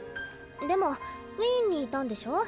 でもウィーンにいたんでしょ？